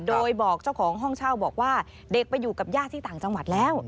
โดยบอกเจ้าของห้องเช่าบอกว่าเด็กไปอยู่กับญาติที่ต่างจังหวัดแล้ว